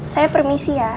saya permisi ya